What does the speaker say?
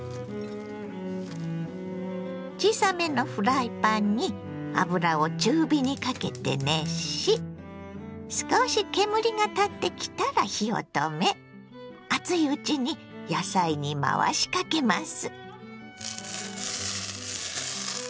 小さめのフライパンに油を中火にかけて熱し少し煙が立ってきたら火を止め熱いうちに野菜に回しかけます。